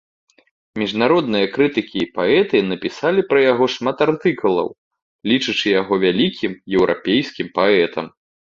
Міжнародныя крытыкі і паэты напісалі пра яго шмат артыкулаў, лічачы яго вялікім еўрапейскім паэтам.